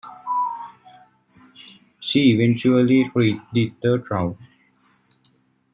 She eventually reached the third round.